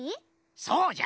そうじゃ！